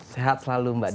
sehat selalu mbak diana